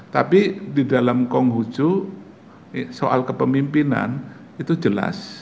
tapi di dalam konghucu soal kepemimpinan itu jelas